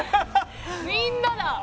みんなだ。